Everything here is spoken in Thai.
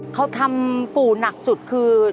เขาทำปู่หนักสุดคือ